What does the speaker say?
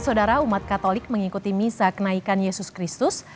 saudara umat katolik mengikuti misa kenaikan yesus kristus